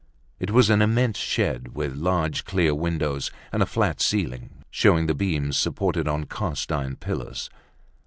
It was an immense shed, with large clear windows, and a flat ceiling, showing the beams supported on cast iron pillars.